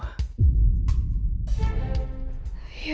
ada kabar tentang keberadaan mama